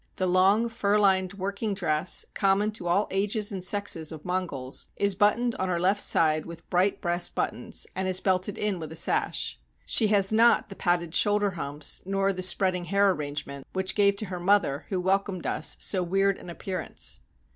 The long fur lined working dress, common to all ages and sexes of Mongols, is buttoned on her left side with bright brass buttons, and is belted in with a sash. She has not the padded shoulder humps, nor the spreading hair arrange ment, which gave to her mother, who welcomed us, so weird an appearance.